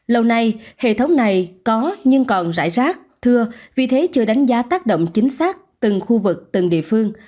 lâu nay hệ thống này có nhưng còn rải rác thưa vì thế chưa đánh giá tác động chính xác từng khu vực từng địa phương